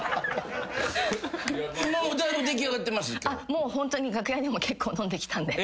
もうホントに楽屋でも結構飲んできたんで。